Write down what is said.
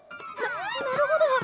ななるほど！